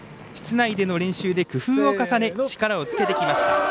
室内での練習で工夫を重ね力をつけてきました。